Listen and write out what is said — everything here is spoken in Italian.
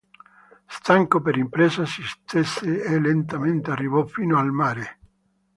Stanco per l'impresa si stese e lentamente arrivò fino al mare.